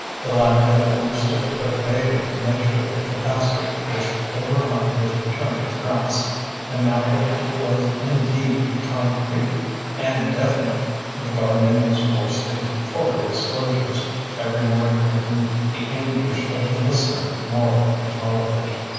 The latter had understood but vaguely the nature of the catastrophe which overhung his return to France, and now that it was indeed concrete and definite, the guardian was forced into fuller disclosures, every word making the anguish of the listener more intolerable.